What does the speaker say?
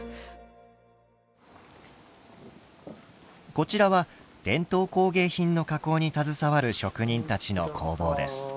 こちらは伝統工芸品の加工に携わる職人たちの工房です。